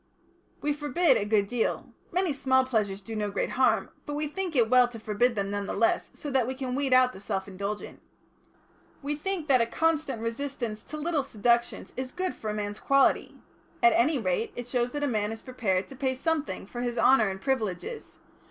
"We forbid a good deal. Many small pleasures do no great harm, but we think it well to forbid them, none the less, so that we can weed out the self indulgent. We think that a constant resistance to little seductions is good for a man's quality. At any rate, it shows that a man is prepared to pay something for his honour and privileges.